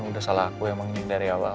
udah salah aku emang ini dari awal